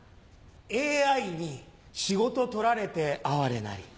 ＡＩに仕事取られて哀れなり。